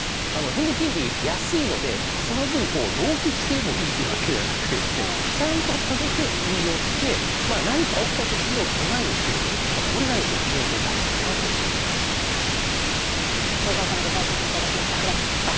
変動金利、安いのでその分、浪費してもいいというわけではなくてちゃんとためて運用して何か起きたときの備えにする、これが非常に大事かなと思います。